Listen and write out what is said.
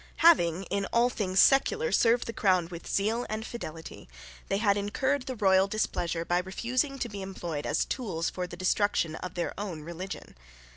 Having, in all things secular, served the crown with zeal and fidelity, they had incurred the royal displeasure by refusing to be employed as tools for the destruction of their own religion.